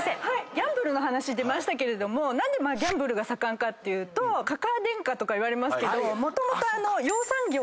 ギャンブルの話出ましたけども何でギャンブルが盛んかっていうとかかあ天下とかいわれますけどもともと養蚕業とか製糸業とか。